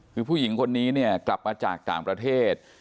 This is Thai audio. คือผู้หญิงคนนี้เนี่ยกลับมาจากต่างประเทศ